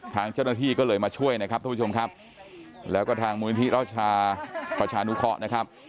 ทางเจ้าหน้าที่ก็เลยมาช่วยนะครับท่านผู้ชมครับแล้วก็ทางมวลินิทราชาประชานุเคาะ